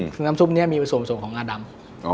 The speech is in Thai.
คือน้ำซุปนี้มีส่วนผสมของงาดำ